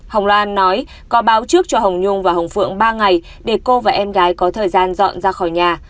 hồng loan nói có báo trước cho hồng nhung và hồng phượng ba ngày để cô và em gái có thời gian dọn ra khỏi nhà